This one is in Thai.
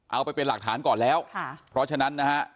เอาไปเป็นหลักฐานก่อนแล้วค่ะเพราะฉะนั้นนะฮะ